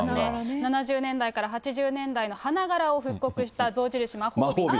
７０年代から８０年代の花柄を復刻した象印マホービン。